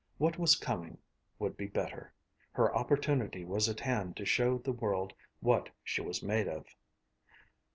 What was coming would be better. Her opportunity was at hand to show the world what she was made of.